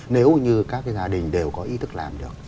nếu như các gia đình đều có ý thức làm được